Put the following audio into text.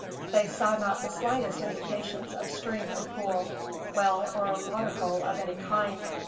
They saw not the slightest indications of stream or pool, well or water hole, of any kind.